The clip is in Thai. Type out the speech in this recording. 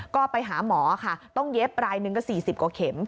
ก็ไปหาหมอค่ะต้องเย็บรายหนึ่งก็๔๐กว่าเข็ม